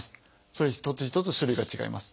それぞれ一つ一つ種類が違います。